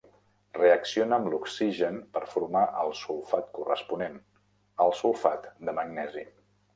Reacciona amb l'oxigen per formar el sulfat corresponent, el sulfat de magnesi.